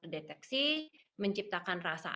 deteksi menciptakan rasa